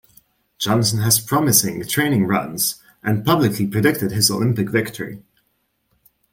Johnson had promising training runs and publicly predicted his Olympic victory.